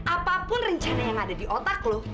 apapun rencana yang ada di otak loh